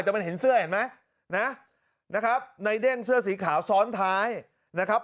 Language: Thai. แต่มันเห็นเสื้อเห็นไหมนะนะครับในเด้งเสื้อสีขาวซ้อนท้ายนะครับ